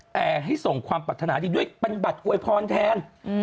แต่ให้ส่งความปรัฐนาดีด้วยเป็นบัตรอวยพรแทน